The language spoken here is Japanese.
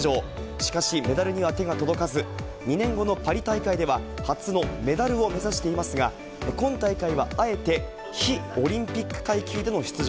しかし、メダルには手が届かず、２年後のパリ大会では、初のメダルを目指していますが、今大会はあえて、非オリンピック階級での出場。